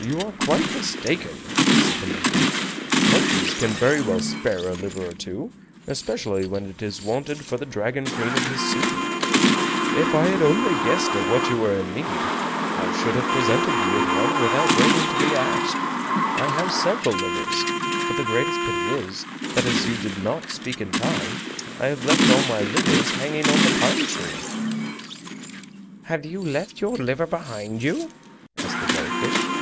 "You are quite mistaken," said the monkey. "Monkeys can very well spare a liver or two, especially when it is wanted for the Dragon Queen of the Sea. If I had only guessed of what you were in need. I should have presented you with one without waiting to be asked. I have several livers. But the greatest pity is, that as you did not speak in time, I have left all my livers hanging on the pine tree." "Have you left your liver behind you?" asked the jelly fish.